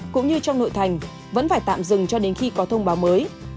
cũng như trong nội thành vẫn phải tạm dừng cho đến khi có thông báo mới